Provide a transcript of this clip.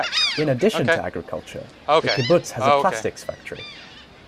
In addition to agriculture, the kibbutz has a plastics factory.